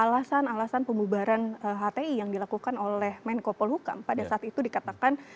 alasan alasan pembubaran hti yang dilakukan oleh menko polhukam pada saat itu dikatakan